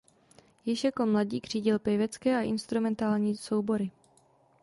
Již jako mladík řídil pěvecké a instrumentální soubory.